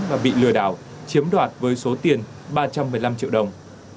và bị lừa đảo chiếm đoạt với số tiền ba trăm một mươi năm triệu đồng